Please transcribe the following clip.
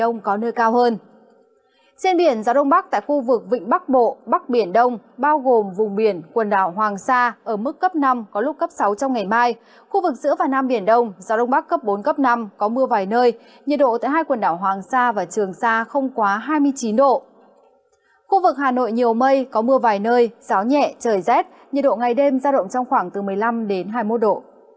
nhiệt độ ngày đêm ra động trong khoảng từ một mươi năm đến hai mươi một độ